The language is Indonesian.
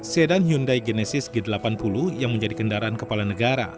sedan hyundai genesis g delapan puluh yang menjadi kendaraan kepala negara